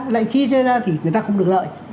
lại chi ra thì người ta không được lợi